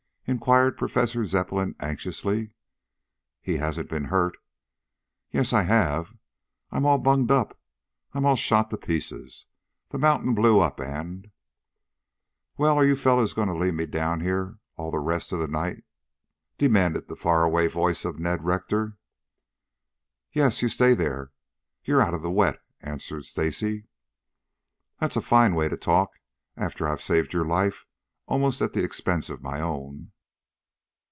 inquired Professor Zepplin anxiously. "He hasn't been hurt " "Yes, I have. I'm all bunged up I'm all shot to pieces. The the mountain blew up and " "Well, are you fellows going to leave me down here all the rest of the night?" demanded the far away voice of Ned Rector. "Yes, you stay there. You're out of the wet," answered Stacy. "That's a fine way to talk after I have saved your life almost at the expense of my own."